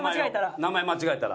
名前を間違えたら？